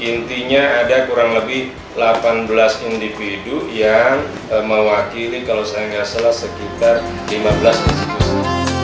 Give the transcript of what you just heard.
intinya ada kurang lebih delapan belas individu yang mewakili kalau saya nggak salah sekitar lima belas institusi